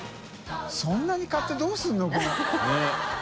そんなに買ってどうするの？ねぇ。